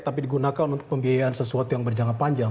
tapi digunakan untuk pembiayaan sesuatu yang berjangka panjang